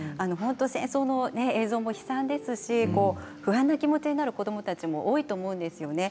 戦争の映像も悲惨ですし不安な気持ちになる子どもたちも多いと思うんですよね。